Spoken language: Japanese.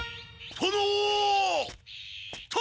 殿！